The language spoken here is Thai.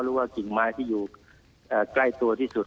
กิ่งไม้ที่อยู่ใกล้ตัวที่สุด